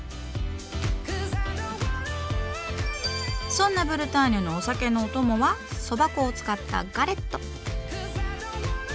そんなブルターニュのお酒のオトモはそば粉を使った「ガレット」。